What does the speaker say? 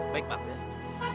baik pak ya